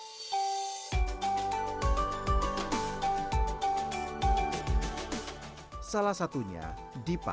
tapi mereka juga bisa berpenghasilan untuk mencari jualan yang lebih murah